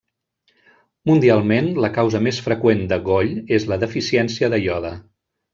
Mundialment, la causa més freqüent de goll és la deficiència de iode.